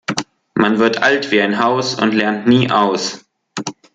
Man wird alt wie ein Haus und lernt nie aus.